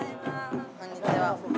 こんにちは。